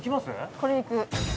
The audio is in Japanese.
これ行く。